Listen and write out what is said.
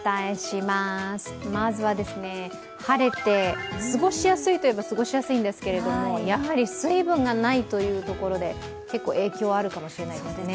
まずは晴れて過ごしやすいといえば過ごしやすいですけどやはり水分がないというところで結構影響があるかもしれないですね。